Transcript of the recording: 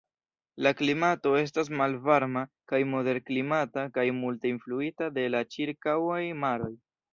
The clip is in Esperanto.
La klimato estas malvarma kaj moderklimata kaj multe influita de la ĉirkaŭaj maroj.